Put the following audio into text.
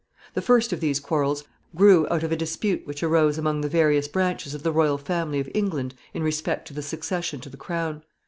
] The first of these quarrels grew out of a dispute which arose among the various branches of the royal family of England in respect to the succession to the crown.